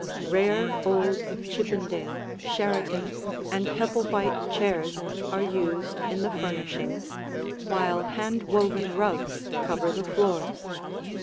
Rare old Chippendale, Sheraton, and Hepplewhite chairs are used in the furnishings, while hand woven rugs cover the floors.